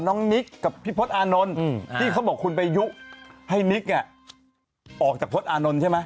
อ๋อน้องนิกกับพี่พฤตอานนท์ที่เขาบอกคุณไปยุ๊กให้นิกออกจากพฤตอานนท์ใช่ไหม